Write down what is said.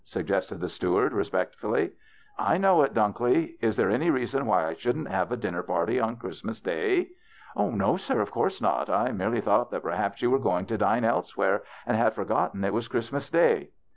suggested the steward, respect fully. " I know it, Dunklee. Is there any reason why I shouldn't give a dinner party on Christ mas day ?" "No, sir, of course not. I merely thought that perhaps you were going to dine else where and had forgotten it was Christmas day."